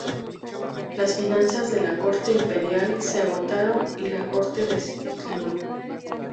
Las finanzas de la Corte Imperial se agotaron, y la corte declinó.